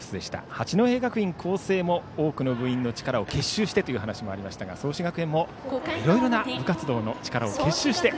八戸学院光星も多くの部員の力を結集してという話がありましたが、創志学園もいろいろな部活動の力を結集して。